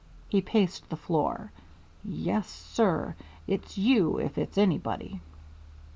He paced the floor. "Yes, sir. It's you if it's anybody."